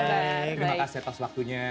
terima kasih atas waktunya